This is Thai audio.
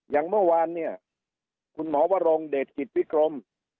อย่างเมื่อวานเนี่ยคุณหมอวรงเดชกิจวิกรม